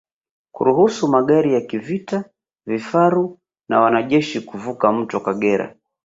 Kuruhusu magari ya kivita vifaru na wanajeshi kuvuka mto Kagera